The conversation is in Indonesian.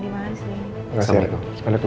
iya tolong ya pak ren